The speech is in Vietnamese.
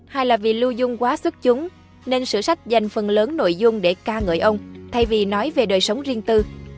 hai là vì lưu dung quá xuất chúng nên sử sách dành phần lớn nội dung để ca ngợi ông thay vì nói về đời sống riêng tư